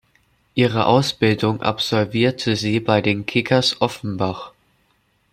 Ihre Ausbildung absolvierte sie bei den Kickers Offenbach.